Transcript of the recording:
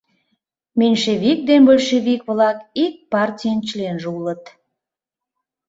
Меньшевик ден большевик-влак ик партийын членже улыт.